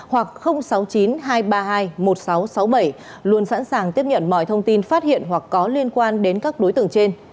hoặc sáu mươi chín hai trăm ba mươi hai một nghìn sáu trăm sáu mươi bảy luôn sẵn sàng tiếp nhận mọi thông tin phát hiện hoặc có liên quan đến các đối tượng trên